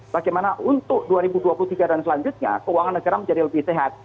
bagaimana untuk dua ribu dua puluh tiga dan selanjutnya keuangan negara menjadi lebih sehat